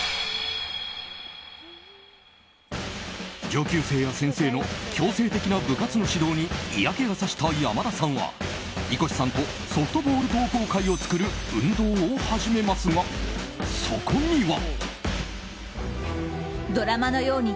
上級生や先生の強制的な部活の指導に嫌気がさした山田さんは井越さんとソフトボール同好会を作る運動を始めますがそこには。